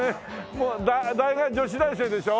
もう大学女子大生でしょ？